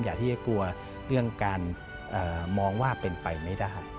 ที่จะกลัวเรื่องการมองว่าเป็นไปไม่ได้